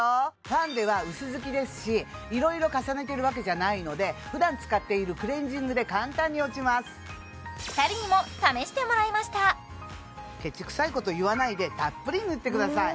ファンデは薄づきですし色々重ねてるわけじゃないのでふだん使っているクレンジングで簡単に落ちます２人にも試してもらいましたケチくさいこといわないでたっぷり塗ってください